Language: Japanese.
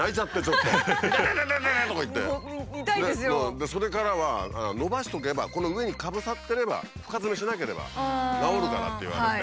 でそれからは「伸ばしとけばこの上にかぶさってれば深ヅメしなければ治るから」って言われて。